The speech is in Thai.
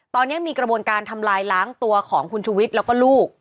ตอนนี้มีกระบวนการทำลายล้างตัวของคุณชุวิตแล้วก็ลูก